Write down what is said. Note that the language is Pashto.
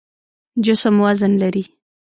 جسم وزن لري.